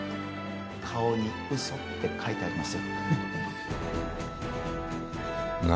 顔に「嘘」って書いてありますよ何？